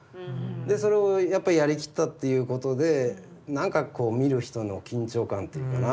でそれをやっぱりやりきったということでなんかこう見る人の緊張感っていうかな